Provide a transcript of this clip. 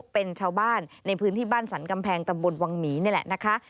เป็นชาวบ้านในพื้นที่บ้านสรรกำแพงตำบลวังหมีนี่แหละนะคะ